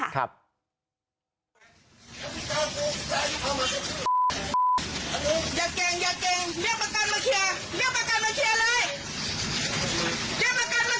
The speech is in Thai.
มึงเปล่าตัวโต๊ะให้โป่แล้วมึงก็ติดนึกว่ากูจะกลัวเหรอไอ้